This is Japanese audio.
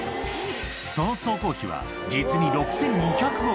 その総工費は、実に６２００億円。